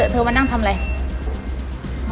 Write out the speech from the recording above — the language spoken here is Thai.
เธอมานั่งทำอะไร